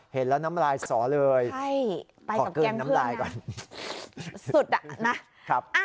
เห็นแล้วน้ำลายสอเลยขอเกินน้ำลายก่อนสุดอ่ะนะครับ